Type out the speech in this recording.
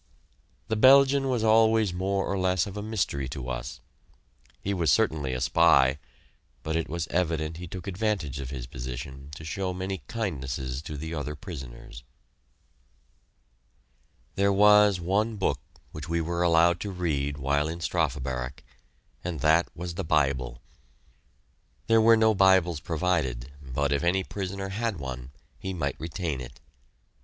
This Belgian was always more or less of a mystery to us. He was certainly a spy, but it was evident he took advantage of his position to show many kindnesses to the other prisoners. There was one book which we were allowed to read while in Strafe Barrack, and that was the Bible. There were no Bibles provided, but if any prisoner had one, he might retain it.